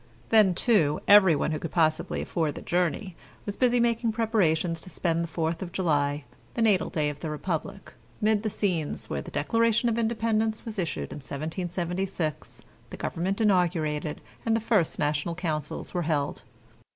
Then, too, everyone who could possibly afford the journey was making busy preparations to spend the Fourth of July, the natal day of the Republic, mid the scenes where the Declaration of Independence was issued in 1776, the Government inaugurated, and the first national councils were held.